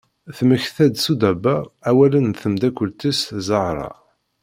Temekta-d Sudaba awalen n temdakelt-is Zahra.